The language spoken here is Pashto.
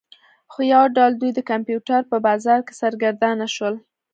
خو یو ډول دوی د کمپیوټر په بازار کې سرګردانه شول